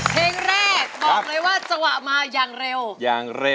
โปรดติดตามตอนต่อไป